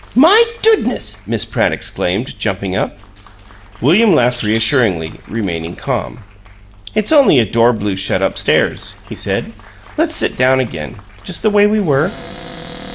"My doodness!" Miss Pratt exclaimed, jumping up. William laughed reassuringly, remaining calm. "It's only a door blew shut up stairs," he said "Let's sit down again just the way we were?"